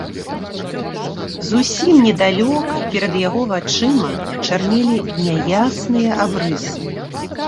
Зусім недалёка перад яго вачыма чарнелі няясныя абрысы.